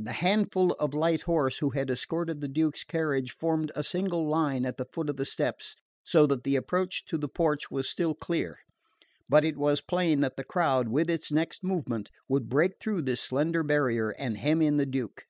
The handful of light horse who had escorted the Duke's carriage formed a single line at the foot of the steps, so that the approach to the porch was still clear; but it was plain that the crowd, with its next movement, would break through this slender barrier and hem in the Duke.